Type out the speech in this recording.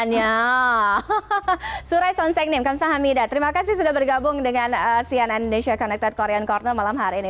nah surai tonsenim kamsahamida terima kasih sudah bergabung dengan sian indonesia connected korean corner malam hari ini